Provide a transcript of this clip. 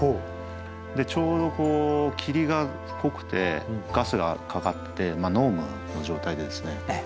ちょうど霧が濃くてガスがかかって濃霧の状態でですね